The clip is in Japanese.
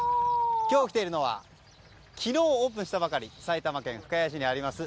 今日、来ているのは昨日オープンしたばかり埼玉県深谷市にあります